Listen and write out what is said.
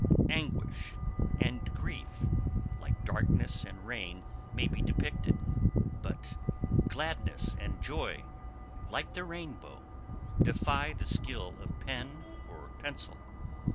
Anguish and grief, like darkness and rain, may be depicted; but gladness and joy, like the rainbow, defy the skill of pen or pencil.